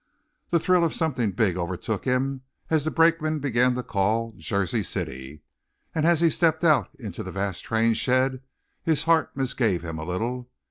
The thrill of something big overtook him as the brakeman began to call "Jersey City," and as he stepped out into the vast train shed his heart misgave him a little.